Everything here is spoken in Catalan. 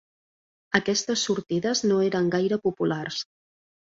Aquestes sortides no eren gaire populars